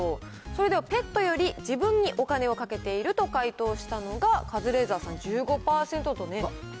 それでは、ペットより自分にお金をかけていると回答したのが、カズレーザーさん、１５％とね。